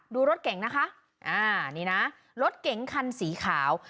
รถเก่งนะคะอ่านี่นะรถเก๋งคันสีขาว